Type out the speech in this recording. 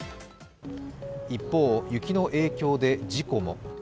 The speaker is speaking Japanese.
一方、雪の影響で事故も。